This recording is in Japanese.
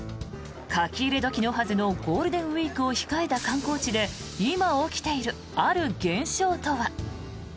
書き入れ時のはずのゴールデンウィークを控えた観光地で今、起きているある現象とは。